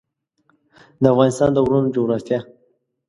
د افغانستان د غرونو جغرافیه